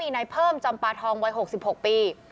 นายเพิ่มจำปาทองวัย๖๖ปี